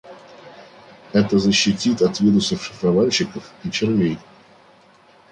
Это защитит от вирусов-шифровальщиков и червей